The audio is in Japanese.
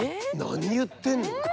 何言ってんの？